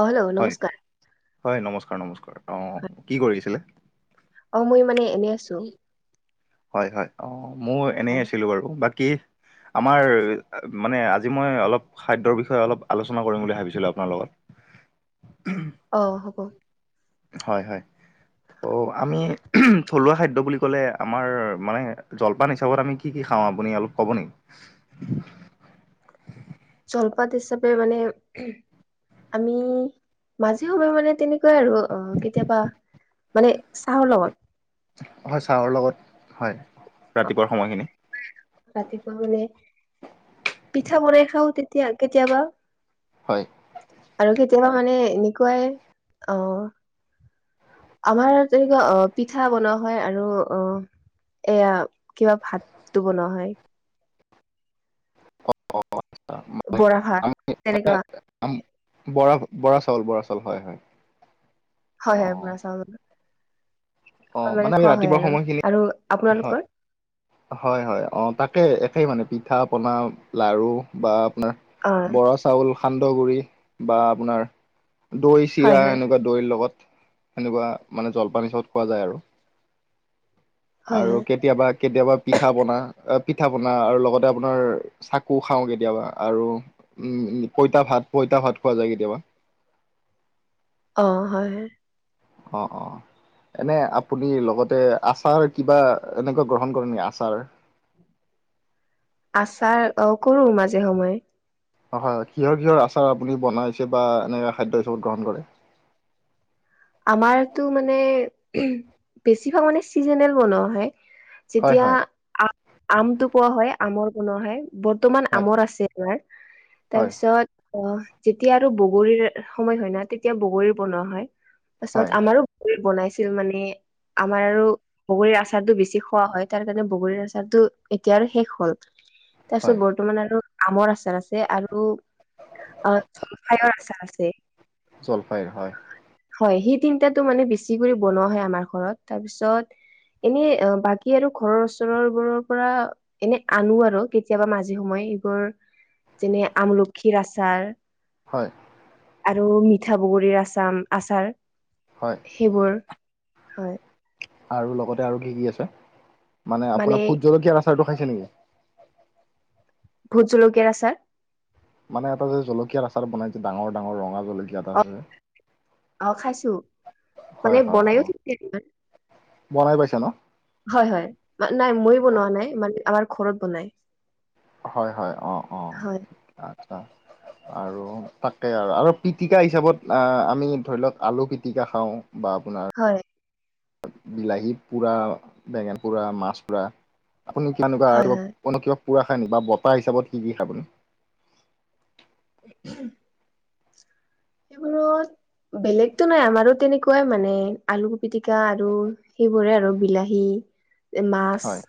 অ hello হয়, নমস্কাৰ হয় নমস্কাৰ নমস্কাৰ অ কি কৰিছিলে অ মই মানে এনেই আছো হয় হয় অ মোৰ এনেই হয় আছিলো বাৰু বাকী আমাৰ মানে আজি মই অলপ খাদ্যৰ বিষয়ে অলপ আলোচনা কৰিম বুলি ভাবিছিলো আপোনাৰ লগত অ হ'ব হয় হয় ত' আমি থলুৱা খাদ্য বুলি ক'লে আমাৰ মানে জলপান হিচাপত আমি কি কি খাওঁ আপুনি অলপ ক'ব নেকি [inaudible] জলপাত হিচাপে মানে আমি মাজে সময়ে মানে তেনেকুৱাই আৰু অ কেতিয়াবা মানে চাহৰ লগত হয় ছাহৰ লগত হয় ৰাতিপুৱাৰ সময়খিনি ৰাতিপুৱা মানে পিঠা বনাই খাওঁ তেতিয়া কেতিয়াবা হয় আৰু কেতিয়াবা মানে এনেকুৱাই অ আমাৰ তেনেকুৱা অ পিঠা বনোৱা হয় আৰু অ এয়া কিবা ভাতটো বনোৱা হয় [inaudible] বৰা বৰা চাউল বৰা ভাত তেনেকুৱা বৰা চাউল হয় হয় হয় হয় অ' বৰা চাউল মানে খোৱা হয় আৰু আৰু হ আপোনালোকৰ হয় হয় অ তাকে একেই মানে পিঠা পনা লাৰু বা আপোনাৰ অ বৰা চাউল, সান্দহ গুৰি বা আপোনাৰ দৈ হয় চিৰা হয় এনেকুৱা দৈৰ লগত সেনেকুৱা মানে জলপান হিচাপত খোৱা যায় আৰু হয় আৰু হয় কেতিয়াবা কেতিয়াবা পিঠা পনা পিঠা পনা আৰু লগতে আপোনাৰ চাকু খাও কেতিয়াবা আৰু উম পইতা ভাত পইতা ভাত খোৱা যায় কেতিয়াবা অ হয় হয় অ অ এনে আপুনি লগতে আচাৰ কিবা এনেকুৱা গ্ৰহণ কৰে নেকি আচাৰ আচাৰ অ কৰো মাজে সময় হয় হয় কিহৰ কিহৰ আচাৰ আপুনি বনাইছে বা এনেকুৱা খাদ্য হিচাপত গ্ৰহণ কৰে আমাৰতো মানে বেছিভাগ মানে চিজিনেল বনোৱা হয় হয় যেতিয়া হয় আ আমটো পোৱা হয় আমৰ বনোৱা হয়াই বৰ্তমান হয় আমৰ আছে আমাৰ হয় তাৰপিছত অ যেতিয়া আৰু বগৰীৰ সময় হয় না তেতিয়া বগৰীৰ বনোৱা হয় পাছত হয় আমাৰো বনাইছিল মানে আমাৰ আৰু বগৰীৰ আচাৰটো বেছি খোৱা হয় তাৰ কাৰণে বগৰীৰ আচাৰটো এতিয়া আৰু শেষ হ'ল তাৰপিছত হয় বৰ্তমান আৰু আমৰ আচাৰ আছে আৰু অ জলফাইৰ আচাৰ আছে জলপাইৰ হয়। হয় সেই তিনিটাতো মানে বেছি কৰি বনোৱা হয় আমাৰ ঘৰত, তাৰ পিছত এনে বাকী আৰু ঘৰৰ ওচৰৰ বোৰৰ পৰা এনে আনো আৰু কেতিয়াবা মাজে সময়ে এইবোৰ যেনে আমলখিৰ আচাৰ। হয়। আৰু মিঠা বগৰীৰ আচাম আচাৰ। হয়। সেইবোৰ হয়। আৰু লগতে আৰু কি কি আছে মানে আপোনাৰ ফুট জলকীয়া আচাৰটো খাইছে নেকি? ভোট জলকীয় আচাৰ। মানে এটা যে জলকীয়া আচাৰ বনাই যে ডাঙৰ ডাঙৰ ৰঙা জলকীয়া এটা অ আছে যে। অ খাইছো, মানে হয় হয় অ বনাইয়ো থৈছে এটিমান। বনাই পাইছা ন? হয় হয় মা নাই মই বনোৱা নাই মানে আমাৰ ঘৰত বনাই। হয় হয় অ অ হয় আত্চ্ছা আৰু পাককে আৰ আৰু পিতিকা হিচাপত আহ আমি ধৰি লওক আলু পিতিকা খাওঁ বা আপোনাৰ হয়। বিলাহী পুৰা, বেঙেনা পুৰা, মাছ পুৰা আপুনি কিবা এনেকুৱা হয় ৰাখিব। হয় কোনো কিবা পুৰা খায় নেকি বা বটাহ হিচাপত কি কি খায় আপুনি? [unintelligible] সেইবোৰত বেলেগতো নাই আমাৰো তেনেকুৱাই মানে আলু পিটিকা আৰু সেইবোৰে আৰু বিলাহী মাছ হয়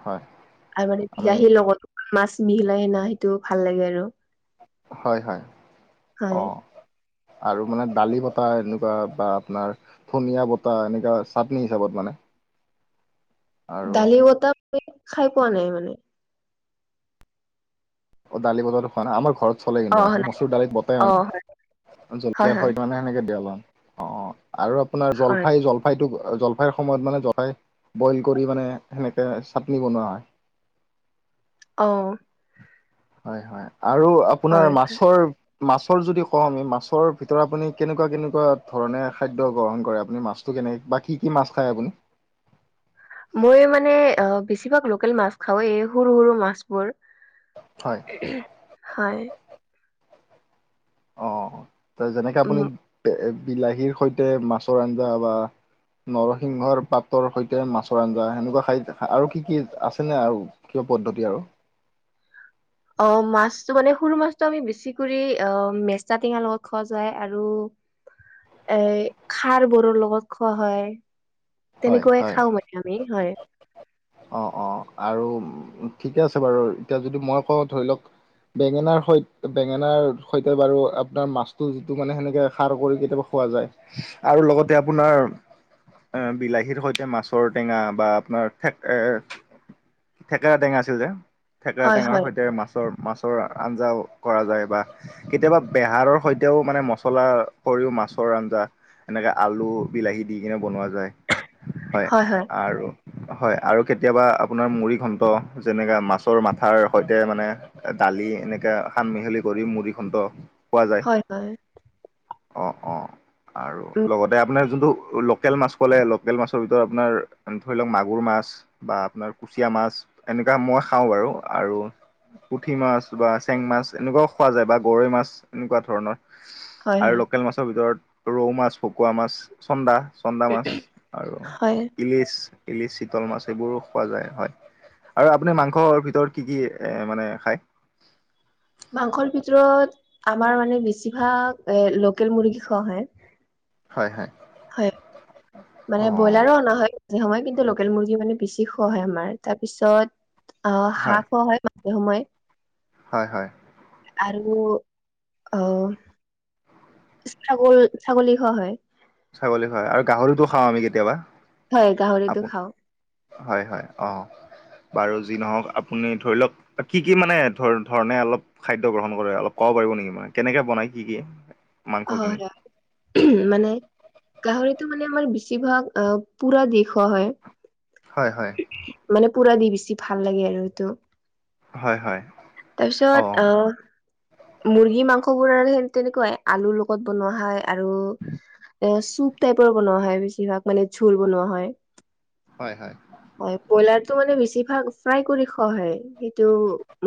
হয়। আগতে আমি বিলাহীৰ লগত মাছ মিহিলাই সেনা সেইটো ভাল লাগে আৰু। হয় হয় অ। হয় আৰু মানে দালি বতা এনেকুৱা বা আপোনাৰ থুনিয়া বতাহ এনেকা চাটনি হিচাপত মানে আৰু দালি বতাহ মই খাই পোৱা নাই মানে। অ দালি বতাটো খোৱা না আমা ঘৰত চলে অ কিন্তু মানে নাই মচুৰ দালিত বতে অ মানে হয় হয় জলকীয়া হয় থৈ মানে সেনেকে দিয় ল অ অ আৰু আপোনাৰ হয় জলফাই জল ফাইটো জলফাইৰ সময়ত মানে জলফাই বইল কৰি মানে সেনেকৈ চাটনি বনোৱা হয়। অ। হয় হয় আৰু আপোনাৰ হয় মাছৰ মাছৰ যদি কওঁ আমি মাছৰ ভিতৰত আপুনি কেনেকুৱা কেনেকুৱা ধৰণে খাদ্য গ্ৰহণ কৰে আপুনি মাছ কেনেক বা কি কি মাছ খায় আপুনি? মই মানে বেছিভাগ লোকেল মাছ খাও এই সৰু সৰু মাছবোৰ। হয়। হয়। অ অ যেনেকে উম আপুনি বিলাহীৰ সৈতে মাছৰ আঞ্জা বা নৰসিংহৰ পাতৰ সৈতে মাছৰ আঞ্জা সেনেকুৱা খাই আৰু কি কি আছেনে আৰু। কিয় পদ্ধতি আৰু। অ মাছতো মানে সুৰু মাছটো আমি বেছি কৰি আহ মেচা টেঙা লগত খোৱা যায় আৰু। এ খাৰবোৰৰ লগত খোৱা হয় হয় তেনেকুৱাই হয় খাওঁ মানে আমি হয়। অ অ আৰু ঠিকে আছে বাৰু এতিয়া যদি মই কওঁ ধৰি লওক বেঙেনাৰ সৈ বেঙেনাৰ সৈতে বাৰু আপোনাৰ মাছটো যিটো মানে সেনেকে সাৰ কৰি কেতিয়াবা পোৱা যায় আৰু লগতে আপোনাৰ এ বিলাহীৰ সৈতে মাছৰ টেঙা বা আপোনাৰ ফেক- এ থেকেৰা টেঙা আছে যে থেকেৰা হয় টেঙাৰ হয় সৈতে মাছৰ মাছৰ আঞ্জাও কৰা যায় বা কেতিয়াবা বেহাৰৰ সৈতেও মানে মছলা কৰিও মাছৰ আঞ্জা, এনেকে আলু, বিলাহী দি কিনে বনোৱা যায় হয় আৰু হয় আৰু কেতিয়াবা আপোনাৰ মুড়ি ঘণ্ট যেনেকে মাছৰ মাথাৰ সৈতে মানে দালি এনেকে সান মিহলি কৰি মুড়ি ঘন্ট পোৱা যায় হয় হয় অ অ আৰু উম লগতে আপোনাৰ যোনটো লোকেল মাছ কলে লোকেল মাছৰ ভিতৰত আপোনাৰ ধৰি লওক মাগুৰ মাছ, বা আপোনাৰ কুচিয়া মাছ এনেকা মই খাওঁ বাৰু আৰু পুঠি মাছ বা চেং মাছ এনেকুৱাও খোৱা যায় বা গৰৈ মাছ এনেকুৱা ধৰণৰ। হয় আৰু হয় লোকেল মাছৰ ভিতৰত ৰৌ মাছ, ভকুৱা মাছ, চন্দা চন্দা মাছ আৰু হয় ইলিচ ইলিচ চিতল মাছ সেইবোৰো খোৱা যায় হয় আৰু আপুনি মাংসৰ ভিতৰত কি কি এ মানে খায়? মাংসৰ ভিতৰত আমাৰ মানে বেছিভাগ এ লোকেল মুৰ্গী খোৱা হয়। হয় হয় হয় অ মানে ব্ৰইলাৰো অনা হয় একে সময় কিন্তু লোকেল মুৰ্গী মানে বেছি খোৱা হয় আমাৰ তাৰপিছত অ হাঁহ হয় মাজে সময় হয় হয় আৰু অহ ছাগল ছাগলী খোৱা হয় ছাগলী খোৱা আৰু গাহৰিটো খাওঁ আমি কেতিয়াবা হয় গাহৰিটো আপু- খাওঁ হয় হয় অ বাৰু যি নহওক আপুনি ধৰি লওক কি কি মানে ধৰ ধৰণে অলপ খাদ্য গ্ৰহণ কৰে অলপ কব পাৰিব নেকি মানে কেনেকে বনাই কি কি মাংসখিনি? হয় অ মানে গাহৰিটো মানে আমাৰ বেছিভাগ আ পুৰা দি খোৱা হয় হয় হয় মানে পুৰা দি বেছি ভাল লাগে আৰু এইটো। হয় হয় তাৰপিছত অ'। আহ মুৰ্গী মাংস বোৰৰ সেই তেনেকুৱাই আলুৰ লগত বনোৱা হয় আৰু এ চুপ টাইপৰ বনোৱা হয় বেছিভাগ মানে ঝোল বনোৱা হয়। হয় হয় হয় ব্ৰইলাৰটো মানে বেছিভাগ ফ্ৰাই কৰি খোৱা সেইটো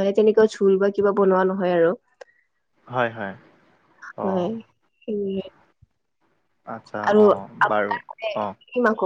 মানে তেনেকুৱা ঝোল বা কিবা বনোৱা নহয় আৰু। হয় হয় হয় অ' উম আচ্ছা অঁ বাৰু আপুনি অঁ কি মাংস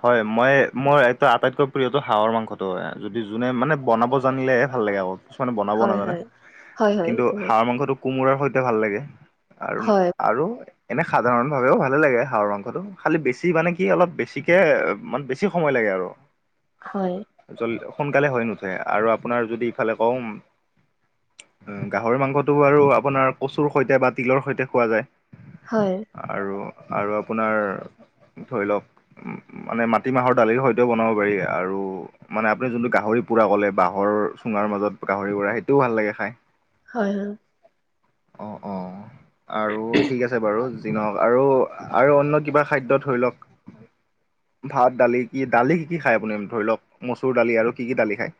হয় মই মোৰ এইটো আটাইতকৈ প্ৰিয়তো হাঁহৰ মাংসটো হয় যদি যোনে মানে বনাব জানিলে, ভাল লাগে আক কিছুমানে বনাব খায়? হয় নাজানে হয়। হয় হয় কিন্তু এইটো হয় হাঁহ মাংসটো, কোমোৰাৰ সৈতে ভাল লাগে আৰু হয় আৰু এনে সাধাৰণ ভাৱেও ভাল লাগে হাঁহৰ মাংসটো খালি বেছি মানে কি অলপ বেছি বেছিকে মানে বেছি সময় লাগে আৰু হয় সোনকালে হৈ নুঠে আৰু আপোনাৰ যদি ইফালে কওঁ গাহৰি মাংসটো বাৰু আপোনাৰ কচুৰ সৈতে বা তিলৰ সৈতে খোৱা যায়। হয় আৰু আৰু আপোনাৰ ধৰি লওক মানে মাটিমাহৰ দালিৰ হয়তো বনাব পাৰি আৰু মানে আপুনি যোনটো গাহৰি পোৰা ক'লে বাঁহৰ চুঙাৰ মাজত গাহৰি পোৰা সেইটোও ভাল লাগে খাই। হয় হয় অ অ আৰু ঠিক আছে বাৰু নহক আৰু আৰু অন্য কিবা খাদ্য ধৰি লওক ভাত দালি কি দালি কি কি খায় আপুনি ধৰি লওক মচুৰ দালি আৰু কি কি দালি খায়।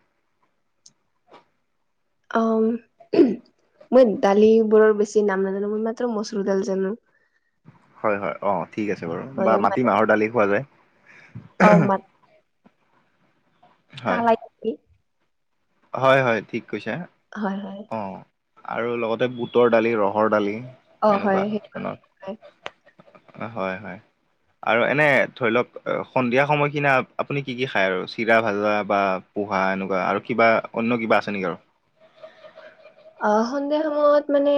অ মই দালিবোৰৰ বেছি নাম নাজানো মই মাত্ৰ মচুৰ দালি জানো হয় হয় অ ঠিক আছে বাৰু বা হয় মানে মাটিমাহৰ দালি খোৱা যায়। অ মাত হয়, কালাই হয় হয় ঠিক কৈছা। হয় হয় অ আৰু লগতে বুটৰ দালি ৰহৰ দালি অ হয় এনেকুৱাত হয়। হয় হয় আৰু এনে ধৰি লওক সন্ধিয়া সময় কিনা আপুনি কি কি খায় আৰু চিৰা ভজা বা পোহা এনেকুৱা আৰু কিবা অন্য কিবা আছে নেকি আৰু আহ সন্ধিয়া সময়ত মানে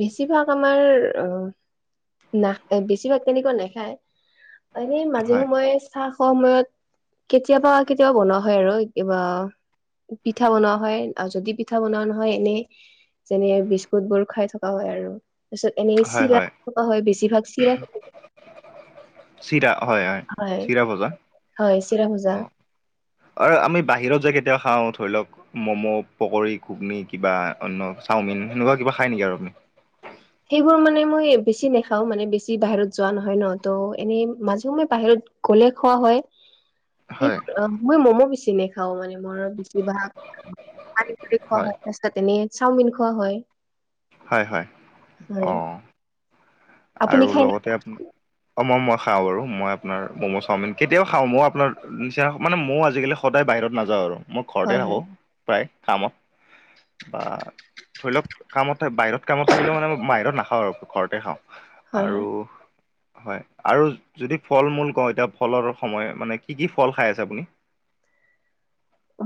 বেছিভাগ আমাৰ অ না বেছিভাগ তেনেকুৱা নাখায় এনে মাজে হয়, সময়ে চাহ খোৱা সময়ত কেতিয়াবা কেতিয়াবা বনোৱা হয় আৰু কিবা পিঠা বনোৱা হয় যদি পিঠা বনোৱা নহয় এনেই যেনে বিস্কুট বোৰ খাই থকা হয় আৰু তাৰপিছত এনে হয়, চিৰা হয় হয় বেছিভাগ চিৰা চিৰা হয় হয় চিৰা ভজা হয় চিৰাভজা অ আৰু আমি বাহিৰত যায় কেতিয়া খাওঁ ধৰি লওক ম'ম' পকৰি ঘুগনি কিবা অন্য চাওমিন সেনেকুৱা কিবা খাই নেকি আৰু আমি সেইবোৰ মানে মই বেছি নাখাও মানে বেছি বাহিৰত যোৱা নহয় ন ত এনেই মাজেও মই বাহিৰত গলে খোৱা হয়। হয় সেইবোৰ অ মই মমো বেছি নে খাও মানে মই বেছিভাগ পানী পুৰি খোৱা হয়। তাত এনেই চাওমিন খোৱা হয়। হয় হয় হয় অ আপুনি আৰু খাই ন লগতে আপোনাৰ। অ মই মই খাওঁ বাৰু মই আপোনাৰ মম' চাওমিন কেতিয়াও খাওঁ মই আপোনাৰ নিচিনা মানে ময়ো আজিকালি সদায় বাহিৰত নাযাওঁ আৰু মই ঘৰতে হয় হয় থাকোঁ প্ৰায় কামত বা ধৰি লওক কামত বাহিৰত কামত থাকিলেও মানে বাহিৰত নাখাওঁ আৰু ঘৰতে খাওঁ হয় হয় আৰু হয় আৰু যদি ফল মূল কওঁ এতিয়া ফলৰ সময় মানে কি কি ফল খাই আছে আপুনি?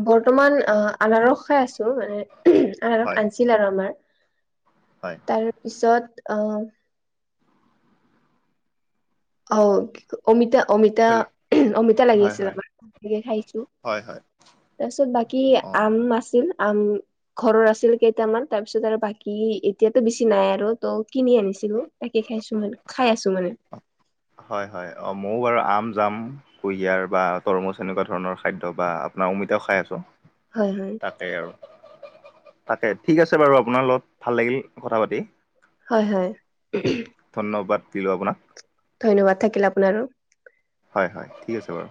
বৰ্তমান অ আনাৰস খাই আছো। এ--ওওঁহ আনাৰস হয় আনিছিলে আৰু আমাৰ। হয়। তাৰ পিছত অঁ অ'অমিতা, অমিতা ধৰি লওক ওওঁহ অমিতা লাগি হয় আছিল হয় আমাৰ। এতিয়া খাইছো। হয় হয় তাৰপিছত বাকি অ আম আছিল। আম ঘৰৰ আছিল কেইটামান। তাৰ পিছত আৰু বাকি এতিয়াটো বেছি নাই আৰু ত' কিনি আনিছিলোঁ। তাকে খাইছো। মানে, খাই আছো মানে। হয়, হয় অঁ ম'ও আৰু আম, জাম কুঁহিয়াৰ বা তৰমুজ এনেকুৱা ধৰণৰ খাদ্য বা আপোনাৰ অমিতাও খাই আছো। হয়, হয়। তাকে আৰু। তাকে, ঠিক আছে বাৰু আপোনাৰ লগত ভাল লাগিল কথা পাতি। হয়, হয়। ধন্যবাদ দিলো আপোনাক। ধন্যবাদ থাকিল আপোনাৰো হয়, হয়। ঠিক আছে বাৰু।